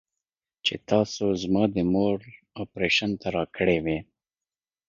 چې تاسو زما د مور اپرېشن ته راكړې وې.